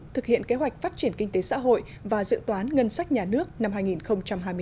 thực hiện kế hoạch phát triển kinh tế xã hội và dự toán ngân sách nhà nước năm hai nghìn hai mươi bốn